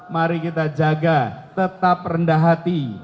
mari kita jaga tetap rendah hati